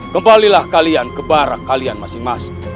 kembalilah kalian ke barak kalian masing masing